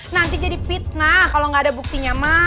nanti jadi fitnah kalau gak ada buktinya